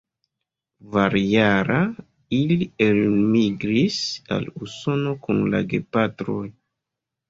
Kvarjara, li elmigris al Usono kun la gepatroj.